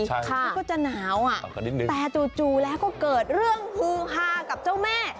มันก็จะหนาวอ่ะแต่จู่แล้วก็เกิดเรื่องฮือฮากับเจ้าแม่